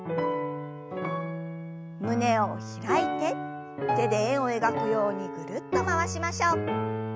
胸を開いて手で円を描くようにぐるっと回しましょう。